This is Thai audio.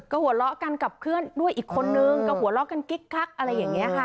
ก็หัวเราะกันกับเพื่อนด้วยอีกคนนึงก็หัวเราะกันกิ๊กกักอะไรอย่างนี้ค่ะ